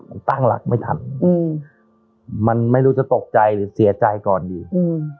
มันตั้งหลักไม่ทันอืมมันไม่รู้จะตกใจหรือเสียใจก่อนดีอืม